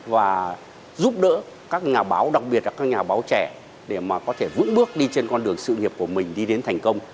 và giúp đỡ các nhà báo đặc biệt là các nhà báo trẻ để mà có thể vững bước đi trên con đường sự nghiệp của mình đi đến thành công